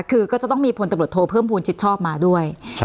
ก็จะต้องมีทกโทเช่นผลทบอดโทเพิ่มภูมิชิดชอบมาด้วย